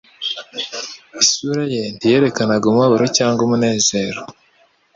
isura ye ntiyerekanaga umubabaro cyangwa umunezero